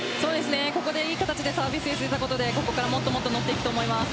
ここでいい形でサービスエース、出たことでここからもっと乗っていくと思います。